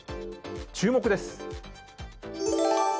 注目です。